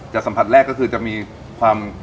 สัมผัสแรกก็คือจะมีความ